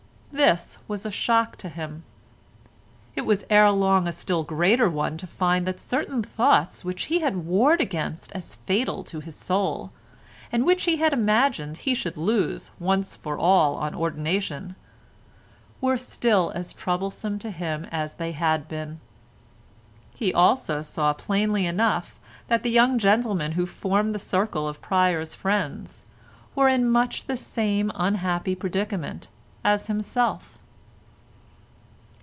This was a shock to him; it was ere long a still greater one to find that certain thoughts which he had warred against as fatal to his soul, and which he had imagined he should lose once for all on ordination, were still as troublesome to him as they had been; he also saw plainly enough that the young gentlemen who formed the circle of Pryer's friends were in much the same unhappy predicament as himself.